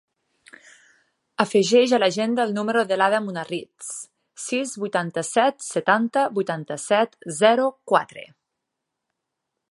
Afegeix a l'agenda el número de l'Ada Munarriz: sis, vuitanta-set, setanta, vuitanta-set, zero, quatre.